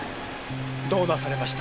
・どうなされました？